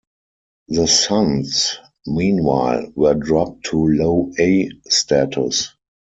The Suns, meanwhile, were dropped to Low-A status.